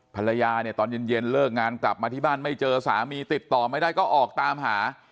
ภรรยาเนี่ยตอนเย็นเลิกงานกลับมาที่บ้านไม่เจอสามีติดต่อไม่ได้ก็ออกตามหา